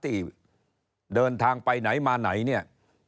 ที่เดินทางไปไหนมาไหนเนี่ย